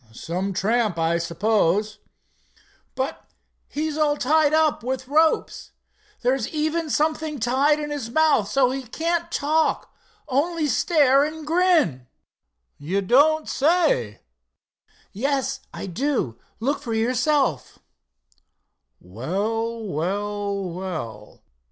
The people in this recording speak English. "Some tramp, I suppose." "But he's all tied up with ropes. There's even something tied in his mouth, so he can't talk—only stare and grin." "You don't say!" "Yes, I do. Look for yourself." "Well! well! well!"